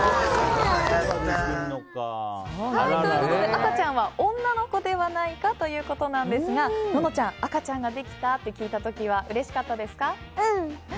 赤ちゃんは女の子ではないかということなんですがののちゃん赤ちゃんができたって聞いた時はうれしかったですか？